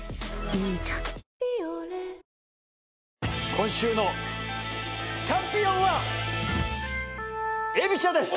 今週のチャンピオンは。えびしゃです！